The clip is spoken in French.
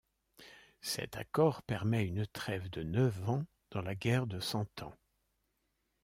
Cet accord permet une trêve de neuf ans dans la guerre de Cent Ans.